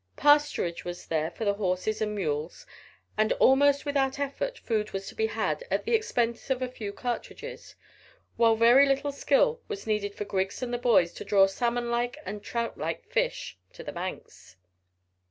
Pasturage was there for the horses and mules, and almost without effort food was to be had at the expense of a few cartridges, while very little skill was needed for Griggs and the boys to draw salmon like and trout like fish to the banks.